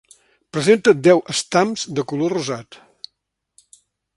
Presenta deu estams de color rosat.